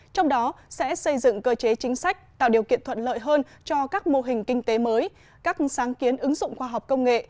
trong đó sẽ xây dựng cơ chế chính sách tạo điều kiện thuận lợi hơn cho các mô hình kinh tế mới các sáng kiến ứng dụng khoa học công nghệ